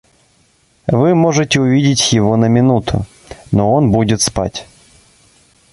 Вы можете увидеть его на минуту, но он будет спать.